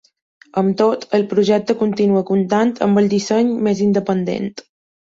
Amb tot, el projecte continua comptant amb el disseny més independent.